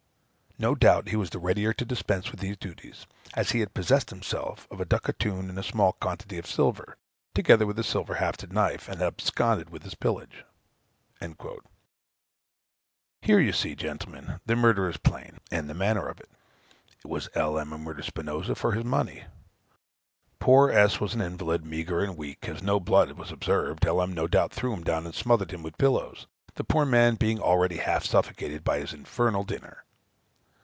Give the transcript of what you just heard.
No doubt he was the readier to dispense with these duties, as he had possessed himself of a ducatoon and a small quantity of silver, together with a silver hafted knife, and had absconded with his pillage." Here you see, gentlemen, the murder is plain, and the manner of it. It was L.M. who murdered Spinosa for his money. Poor S. was an invalid, meagre, and weak: as no blood was observed, L.M., no doubt, threw him down and smothered him with pillows, the poor man being already half suffocated by his infernal dinner.